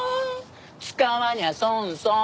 使わにゃ損損。